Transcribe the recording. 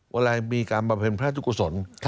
เวลามีการบรรเภนพระราชกุศล